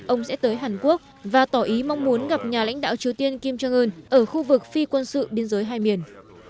ông sẽ tới hàn quốc và tỏ ý mong muốn gặp nhà lãnh đạo triều tiên kim jong un ở khu vực phi quân sự biên giới hai miền